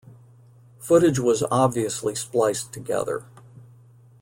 Footage was obviously spliced together.